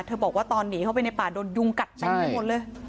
บอกว่าตอนหนีเข้าไปในป่าโดนยุงกัดเต็มไปหมดเลย